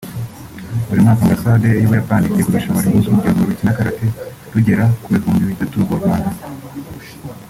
Buri mwaka Ambasade y’u Buyapani itegura irushanwa rihuza urubyiruko rukina karate rugera mu bihumbi bitatu mu Rwanda